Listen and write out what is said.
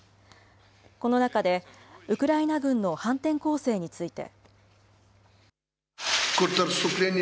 この中で、ウクライナ軍の反転攻勢について。